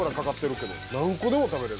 何個でも食べれる。